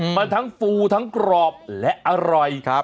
มันทั้งฟูทั้งกรอบและอร่อย